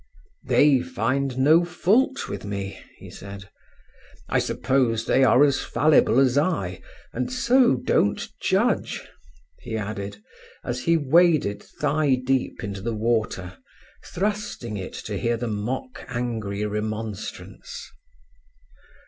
"They find no fault with me," he said. "I suppose they are as fallible as I, and so don't judge," he added, as he waded thigh deep into the water, thrusting it to hear the mock angry remonstrance.